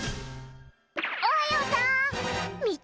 おはようさん見て！